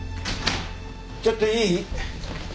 ちょっといい？